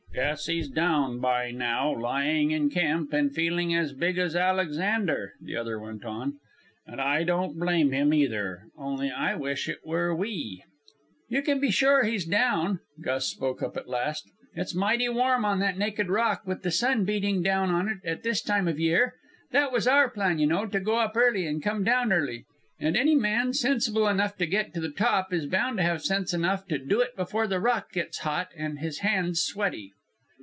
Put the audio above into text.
"Guess he's down by now, lying in camp and feeling as big as Alexander," the other went on. "And I don't blame him, either; only I wish it were we." "You can be sure he's down," Gus spoke up at last. "It's mighty warm on that naked rock with the sun beating down on it at this time of year. That was our plan, you know, to go up early and come down early. And any man, sensible enough to get to the top, is bound to have sense enough to do it before the rock gets hot and his hands sweaty."